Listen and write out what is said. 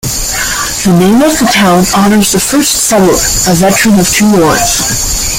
The name of the town honors the first settler, a veteran of two wars.